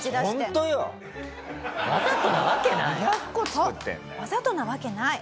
そうわざとなわけない。